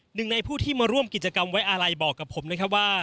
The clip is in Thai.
หนึ่งในผู้ที่มาร่วมกิจกรรมไว้อาลัยบอกกับผมนะครับว่า